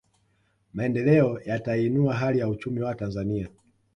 Maendeleo yatainua hali ya uchumi wa Watanzania